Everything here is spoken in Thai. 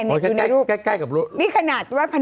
ยังไม่ได้ตอบรับหรือเปล่ายังไม่ได้ตอบรับหรือเปล่า